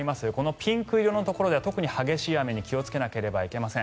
ピンク色のところは激しい雨に気をつけなければいけません。